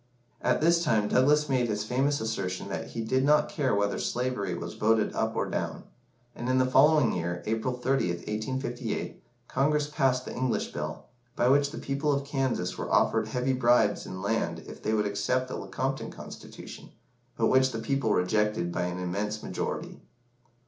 At this time Douglas made his famous assertion that he did not care whether slavery was voted up or down; and in the following year, April 30th, 1858, Congress passed the English Bill, by which the people of Kansas were offered heavy bribes in land if they would accept the Lecompton Constitution, but which the people rejected by an immense majority.